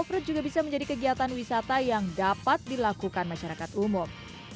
ya sudah bisa jadi kegiatan wisata yang dapat dilakukan masyarakat umum